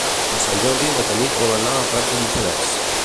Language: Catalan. Per Sant Jordi na Tanit vol anar a Prats de Lluçanès.